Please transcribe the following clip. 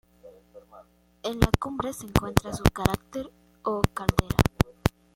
En la cumbre se encuentra su cráter o caldera.